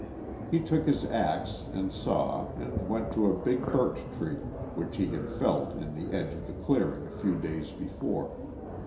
"_ He took his axe and saw and went to a big birch tree which he had felled in the edge of the clearing a few days before.